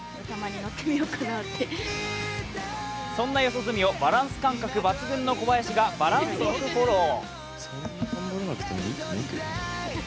そんな四十住をバランス感覚抜群の小林がバランスよくフォロー。